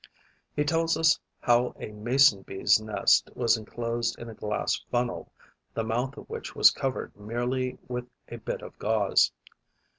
He tells us how a Mason bee's nest was enclosed in a glass funnel, the mouth of which was covered merely with a bit of gauze.